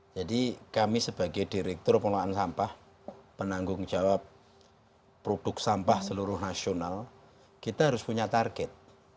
jadi kami sebagai direktur pengelolaan sampah penanggung jawab produk sampah seluruh nasional kita harus punya target